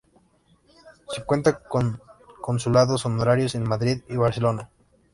Sí cuenta con consulados honorarios en Madrid y Barcelona.